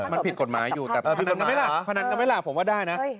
มันผิดกฎหมายอยู่แต่พนันก็ไม่หล่ะผมว่าได้นะ